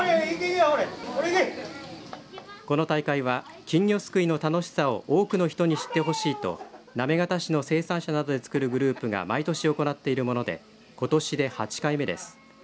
この大会は金魚すくいの楽しさを多くの人に知ってほしいと行方市の生産者などでつくるグループが毎年行っているものでことしで８回目です。